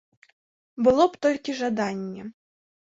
Было б толькі жаданне.